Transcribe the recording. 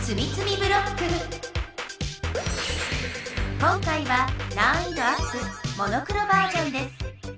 今回は難易度アップモノクロバージョンです。